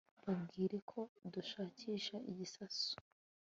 babwire ko dushakisha igisasu